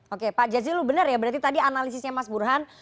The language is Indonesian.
oke pak jazilul benar ya berarti tadi analisisnya mas burhan